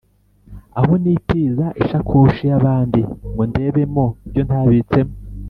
aho nitiza ishakoshi y’abandi ngo ndebemo ibyo ntabitsemo